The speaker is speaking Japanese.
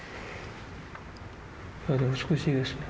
美しいですね。